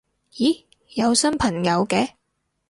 咦有新朋友嘅